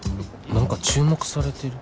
何か注目されてる